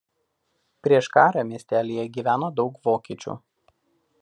Prieš karą miestelyje gyveno daug vokiečių.